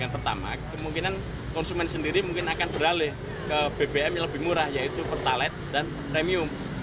yang pertama kemungkinan konsumen sendiri mungkin akan beralih ke bbm yang lebih murah yaitu pertalet dan premium